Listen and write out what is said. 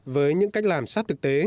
với những cách làm sát thực tế